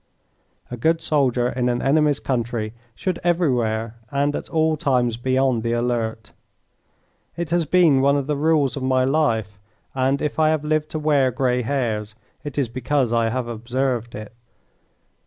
A good soldier in an enemy's country should everywhere and at all times be on the alert. It has been one of the rules of my life, and if I have lived to wear grey hairs it is because I have observed it.